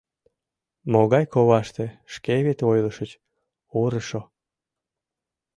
— Могай коваште, шке вет ойлышыч — орышо!!!